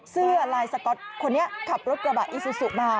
เสื้อลายสก๊อตคนนี้ขับรถกระบะอีซูซูมา